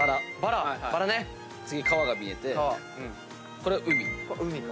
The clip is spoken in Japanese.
次川が見えてこれは海。